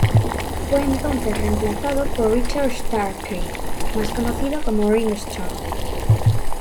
Fue entonces reemplazado por Richard Starkey, más conocido como Ringo Starr.